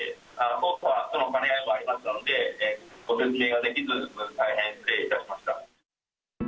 捜査との兼ね合いもありましたので、ご説明ができず、大変失礼いたしました。